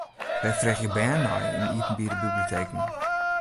Wêr freegje bern nei yn iepenbiere biblioteken?